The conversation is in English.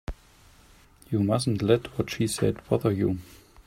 You mustn't let what she said bother you.